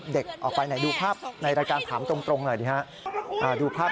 ดูภาพในรายการถามตรงหน่อยสิ